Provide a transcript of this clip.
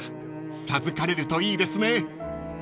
授かれるといいですね］